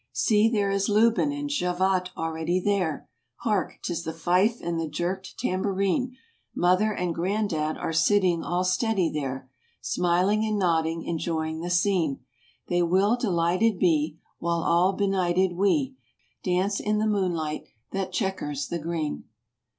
See there is Lubin and Javotte already there, Hark, 'tis the fife and the jerked tambourine; Mother and Gran dad are sitting all steady there, Smiling and nodding, enjoying the scene. They will delighted be, While all benighted we Dance in the moonlight that checquers the green.